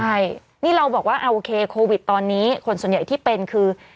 ใช่นี่เราบอกว่าโอเคโควิดตอนนี้คนส่วนใหญ่ที่เป็นคือ